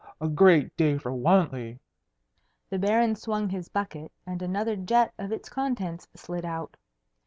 a great day for Wantley!" The Baron swung his bucket, and another jet of its contents slid out.